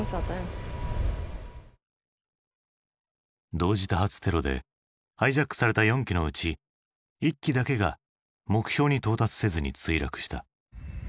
同時多発テロでハイジャックされた４機のうち１機だけが目標に到達せずに墜落した。